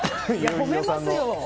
褒めますよ